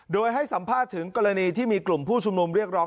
โดยให้สัมภาษณ์ถึงกรณีที่มีกลุ่มผู้ชุมนุมเรียกร้อง